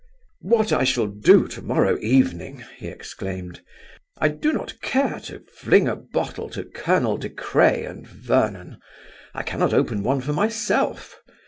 "What I shall do to morrow evening!" he exclaimed. "I do not care to fling a bottle to Colonel De Craye and Vernon. I cannot open one for myself.